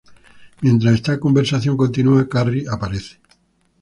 Mientras esta conversación continúa, Carrie aparece.